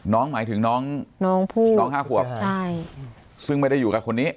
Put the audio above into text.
หมายถึงน้อง๕ขวบซึ่งไม่ได้อยู่กับคนนี้